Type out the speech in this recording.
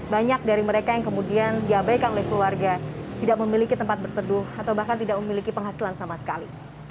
banyak dari mereka yang kemudian diabaikan oleh keluarga tidak memiliki tempat berteduh atau bahkan tidak memiliki penghasilan sama sekali